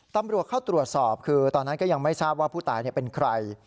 ตำรวจเข้าตรวจสอบคือตอนนั้นก็ยังไม่ทราบว่าผู้ตายเป็นใคร